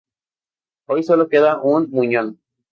Hoy solo queda un muñón.